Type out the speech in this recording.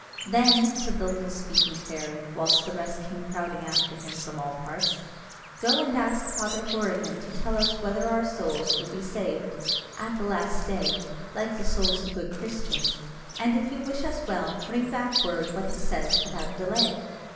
"Then," said the little speaking fairy, whilst the rest came crowding after him from all parts, "go and ask Father Horrigan to tell us whether our souls will be saved at the last day, like the souls of good Christians; and if you wish us well, bring back word what he says without delay."